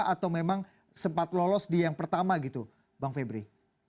atau memang sempat lolos di yang pertama gitu bang febri